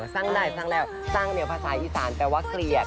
สร้างได้สร้างแล้วสร้างแนวภาษาอีสานแปลว่าเกลียด